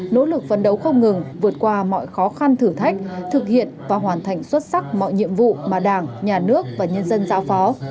nỗ lực phấn đấu không ngừng vượt qua mọi khó khăn thử thách thực hiện và hoàn thành xuất sắc mọi nhiệm vụ mà đảng nhà nước và nhân dân giao phó